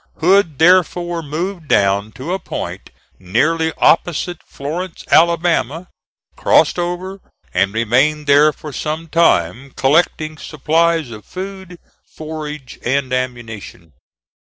Hood therefore moved down to a point nearly opposite Florence, Alabama, crossed over and remained there for some time, collecting supplies of food, forage and ammunition.